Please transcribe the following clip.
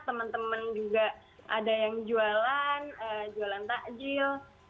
teman teman juga ada yang jualan jualan takjil